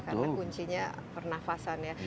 karena kuncinya pernafasan ya